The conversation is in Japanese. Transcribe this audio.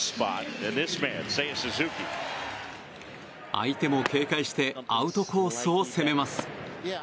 相手も警戒してアウトコースを攻めます。